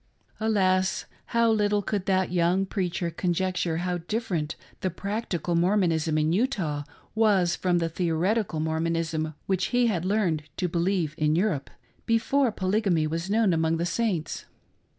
Alas ! how little could that young preacher conjecture how different the practical Mormonism in Utah was from the theoretical Mormonism which he had learned to believe in Europe, before polygamy was known among the Saints.